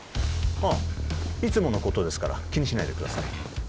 ああいつものことですから気にしないでください